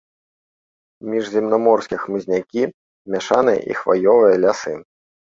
Міжземнаморскія хмызнякі, мяшаныя і хваёвыя лясы.